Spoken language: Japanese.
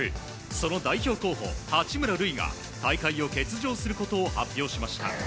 その代表候補、八村塁が大会を欠場することを発表しました。